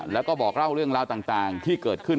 แล้วก็บอกเล่าเรื่องราวต่างที่เกิดขึ้น